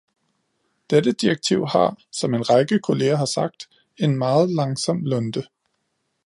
Dette direktiv har, som en række kolleger har sagt, en meget langsom lunte.